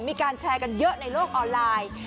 มีการแชร์กันเยอะในโลกออนไลน์